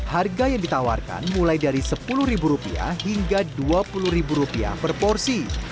harga yang ditawarkan mulai dari sepuluh rupiah hingga dua puluh per porsi